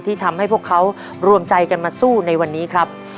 ที่ทำให้พวกเขารวมใจกันมาสู้ในวันนี้ครับ